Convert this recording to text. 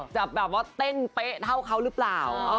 จะแบบว่าเต้นเป๊ะเท่าเขาหรือเปล่า